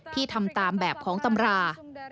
ที่ทำตามแบบของตำรา